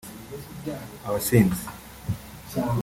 Abasinzi